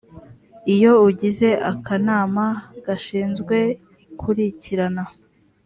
iyo ugize akanama gashinzwe ikurikirana